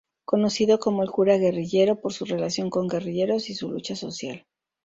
Conocido como el "cura-guerrillero" por su relación con guerrilleros y su lucha social.